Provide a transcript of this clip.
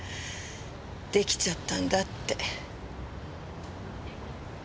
できちゃったんだって。